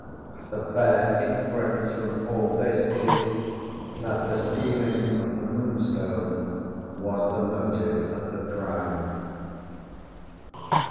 The fair inference from all this is, that the stealing of the Moonstone was the motive of the crime.